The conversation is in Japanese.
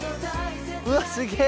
うわっすげえ！